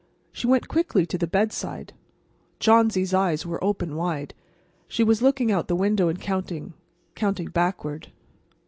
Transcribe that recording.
She went quickly to the bedside. Johnsy's eyes were open wide. She was looking out the window and counting—counting backward.